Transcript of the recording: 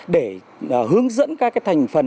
để hướng dẫn các tầng lớp nhân dân khác